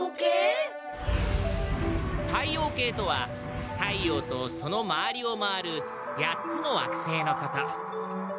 太陽系とは太陽とその周りを回る８つの惑星のこと。